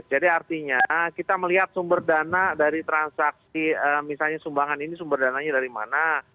jadi artinya kita melihat sumber dana dari transaksi misalnya sumbangan ini sumber dananya dari mana